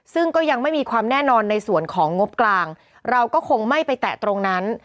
ซึ่งก็ยังไม่มีความแน่นอนในส่วนของงบกลางเราก็คงไม่ไปแตะตรงนั้น